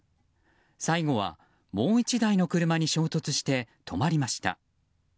最後は、もう１台の車に衝突して止まりました。